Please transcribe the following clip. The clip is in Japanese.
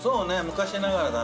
昔ながらだね。